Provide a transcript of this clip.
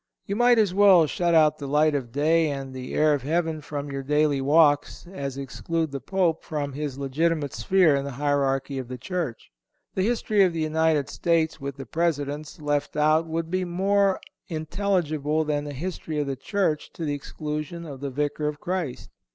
You might as well shut out the light of day and the air of heaven from your daily walks as exclude the Pope from his legitimate sphere in the hierarchy of the Church. The history of the United States with the Presidents left out would be more intelligible than the history of the Church to the exclusion of the Vicar of Christ.